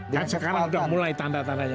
dan sekarang sudah mulai tanda tandanya